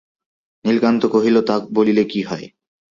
নীলকান্ত কহিল–তা বলিলে কি হয়!